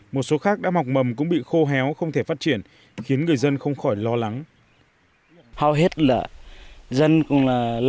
một số khác đã mọc mầm cũng bị khô héo không thể phát triển khiến người dân không khỏi lo lắng